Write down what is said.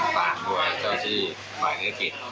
ตามด้วยเจ้าที่ฝ่ายธุรกิจ